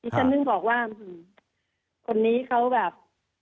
ทีชั้นหนึ่งบอกว่าคนนี้เขาแบบ